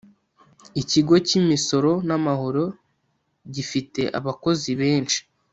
ikigo cy’ imisoro n ‘amahoro gifite abakozi benshi.